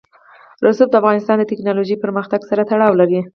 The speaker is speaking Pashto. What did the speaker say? رسوب د افغانستان د تکنالوژۍ پرمختګ سره تړاو لري.